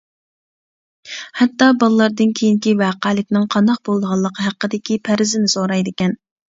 ھەتتا بالىلاردىن كېيىنكى ۋەقەلىكنىڭ قانداق بولىدىغانلىقى ھەققىدىكى پەرىزىنى سورايدىكەن.